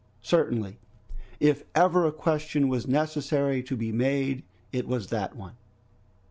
Certainly, if ever a question was necessary to be made, it was that one!